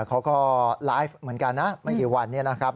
เขาก็ไลฟ์เหมือนกันนะไม่กี่วันนี้นะครับ